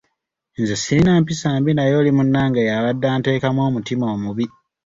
Nze sirina mpisa mbi naye oli munnange y'abadde anteekamu omutima omubi.